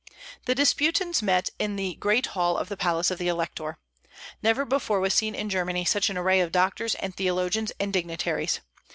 The disputants met in the great hall of the palace of the Elector. Never before was seen in Germany such an array of doctors and theologians and dignitaries.